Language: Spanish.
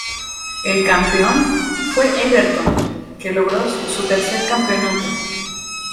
El campeón fue Everton que logró su tercer campeonato.